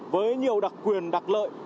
với nhiều đặc quyền đặc lợi